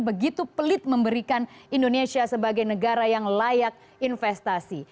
begitu pelit memberikan indonesia sebagai negara yang layak investasi